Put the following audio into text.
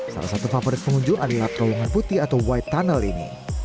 salah satu favorit pengunjung adalah terowongan putih atau white tunnel ini